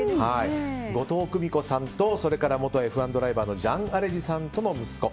後藤久美子さんと元Ｆ１ドライバーのジャン・アレジさんとの息子